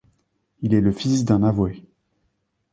Il est le fils d'un avoué.